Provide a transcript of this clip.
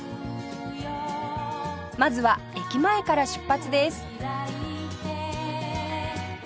まずは駅前から出発です